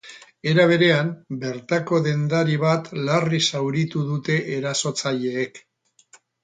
Era berean, bertako dendari bat larri zauritu dute erasotzaileek.